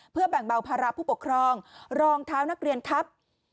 เพื่อแบ่งเบาภาระผู้ปกครองรองเท้านักเรียนครับ